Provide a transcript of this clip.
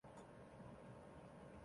而凤宝钗则为他买来了连衣裙。